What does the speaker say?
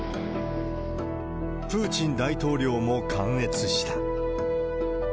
プーチン大統領も観閲した。